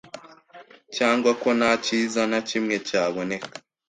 cyangwa ko ntakiza na kimwe cyaboneka